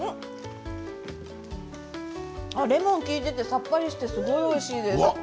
レモンが利いていてさっぱりしていておいしいです。